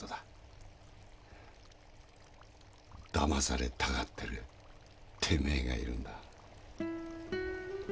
騙されたがってるてめえがいるんだ。